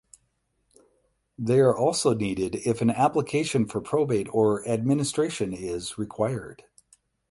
They are also needed if an application for probate or administration is required.